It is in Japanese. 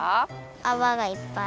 アワがいっぱい。